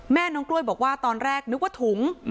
น้องกล้วยบอกว่าตอนแรกนึกว่าถุง